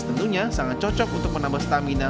tentunya sangat cocok untuk menambah stamina